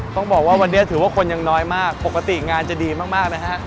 ต้องบอกว่าวันนี้ถือว่าคนยังน้อยมากปกติงานจะดีมากนะฮะ